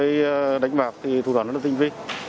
đối với đánh bạc thì thủ đoàn nó tinh vi